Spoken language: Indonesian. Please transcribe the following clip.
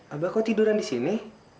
abah kok tiduran disini